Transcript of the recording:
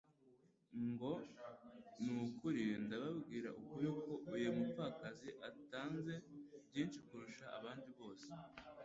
ngo : «Ni ukuri ndababwira ukuri ko uyu mupfakazi atanze byinshi kurusha abandi bose.»